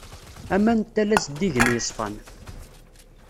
Aman n tala zeddigen yeṣfan.